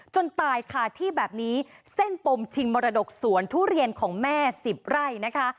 ตายค่ะที่แบบนี้เส้นปมชิงมรดกสวนทุเรียนของแม่สิบไร่นะคะ